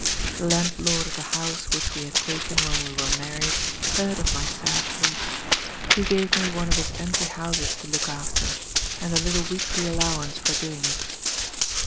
"The landlord of the house which we had taken when we were married heard of my sad case. He gave me one of his empty houses to look after, and a little weekly allowance for doing it.